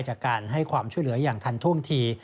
จากการให้ความช่วยเหลืออย่างทันท่วงที